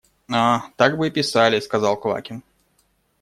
– А, так бы и писали! – сказал Квакин.